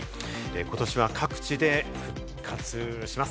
ことしは各地で復活します。